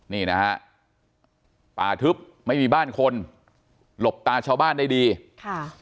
นี่นะฮะป่าทึบไม่มีบ้านคนหลบตาชาวบ้านได้ดีค่ะ